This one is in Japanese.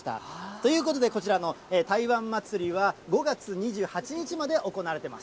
ということで、こちらの台湾祭は、５月２８日まで行われています。